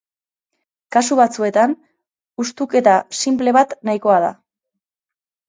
Kasu batzuetan, hustuketa sinple bat nahikoa da.